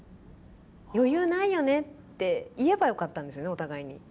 「余裕ないよね」って言えばよかったんですよねお互いに。